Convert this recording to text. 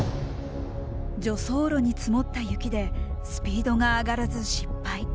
助走路に積もった雪でスピードが上がらず失敗。